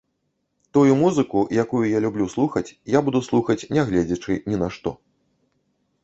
Тую музыку, якую я люблю слухаць, я буду слухаць нягледзячы ні на што.